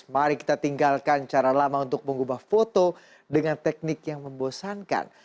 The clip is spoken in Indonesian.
mari kita tinggalkan cara lama untuk mengubah foto dengan teknik yang membosankan